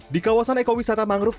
di kawasan ekowisata mangrove